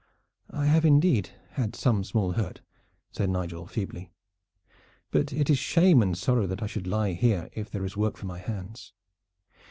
"I have indeed had some small hurt," said Nigel feebly; "but it is shame and sorrow that I should lie here if there is work for my hands.